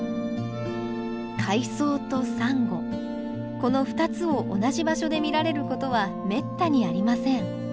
この２つを同じ場所で見られることはめったにありません。